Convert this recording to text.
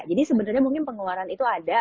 jadi sebenarnya mungkin pengeluaran itu ada